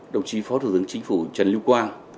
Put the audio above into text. đồng chí phó thủ tướng chính phủ trần lưu quang